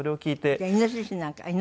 じゃあイノシシなんか。